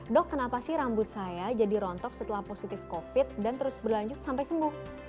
dok kenapa sih rambut saya jadi rontok setelah positif covid dan terus berlanjut sampai sembuh